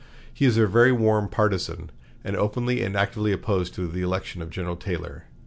He is a very warm partizan, and openly and actively opposed to the election of General Taylor.